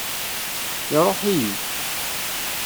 Iṛuḥ-iyi.